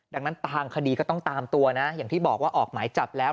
ดังนั้นทางคดีก็ต้องตามตัวนะอย่างที่บอกว่าออกหมายจับแล้ว